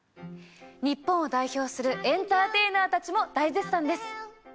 日本を代表するエンターテイナーたちも大絶賛です。